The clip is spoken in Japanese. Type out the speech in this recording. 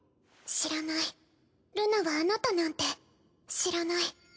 知らないルナはあなたなんて知らない。